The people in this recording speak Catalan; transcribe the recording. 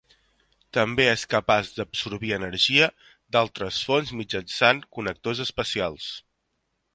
També és capaç d’absorbir energia d'altres fonts mitjançant connectors especials.